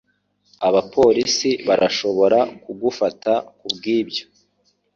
Abapolisi barashobora kugufata kubwibyo.